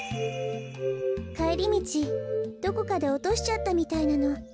かえりみちどこかでおとしちゃったみたいなの。